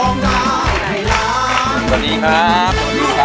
สวัสดีครับ